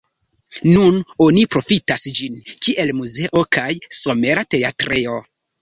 Nun oni profitas ĝin, kiel muzeo kaj somera teatrejo.